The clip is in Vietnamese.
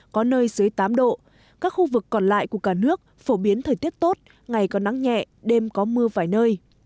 có nơi dưới tám độ các khu vực còn lại của cả nước phổ biến thời tiết tốt ngày có nắng nhẹ đêm có mưa vài nơi